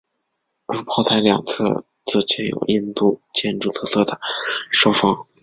而炮台两旁则建有印度建筑特色的哨房。